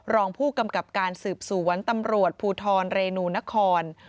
รองผู้กำกับการสืบสวนตำรวจภูทรเรนูนคร